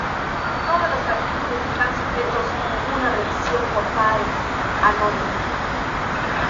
Todos los artículos están sujetos una revisión por pares anónima.